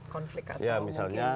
konflik atau mungkin